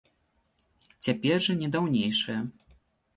Цяпер жа не даўнейшае.